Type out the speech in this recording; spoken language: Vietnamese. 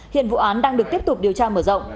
hiện vụ án đang được tiếp tục điều tra mở rộng